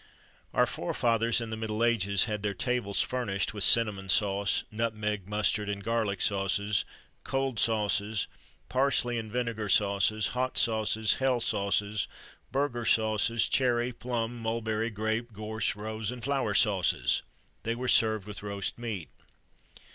[XXIII 79] Our forefathers (in the middle ages) had their tables furnished with cinnamon sauce; nutmeg, mustard, and garlic sauces; cold sauces; parsley and vinegar sauces, hot sauces, hell sauces, burgher sauces; cherry, plum, mulberry, grape, gorse, rose, and flower sauces. They were served with roast meat.